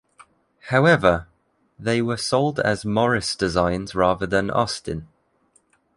However, they were sold as Morris designs rather than Austin.